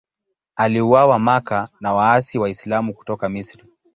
Aliuawa Makka na waasi Waislamu kutoka Misri.